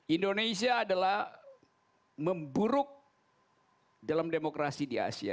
indonesia adalah memburuk dalam demokrasi di asia